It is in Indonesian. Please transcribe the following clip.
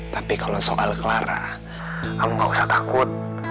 tapi kalau soal clara kamu gak usah takut